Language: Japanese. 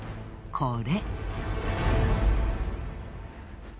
これ。